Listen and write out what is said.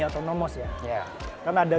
autonomous ya kan ada